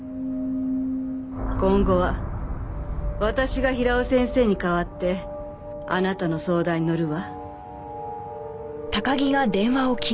今後は私が平尾先生に代わってあなたの相談に乗るわ。